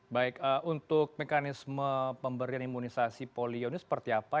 baik untuk mekanisme pemberian imunisasi polio ini seperti apa